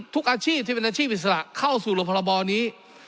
ทุกอาชีพที่เป็นอาชีพอิสระเข้าสู่รพรบนี้